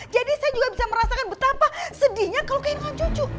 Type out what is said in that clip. jadi saya juga bisa merasakan betapa sedihnya kalau kehendak cucu